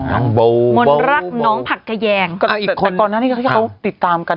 หมณรักน้องผักแกแยงแต่ก่อนนั้นเขาติดตามกัน